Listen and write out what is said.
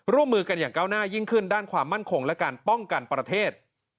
ร่วมมือกันอย่างก้าวหน้ายิ่งขึ้นด้านความมั่นคงและการป้องกันประเทศ